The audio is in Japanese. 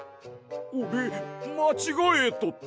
おれまちがえとった？